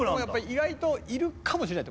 意外といるかもしれない。